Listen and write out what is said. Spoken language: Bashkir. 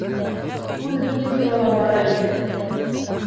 ...Һүҙ минең турала бара ине!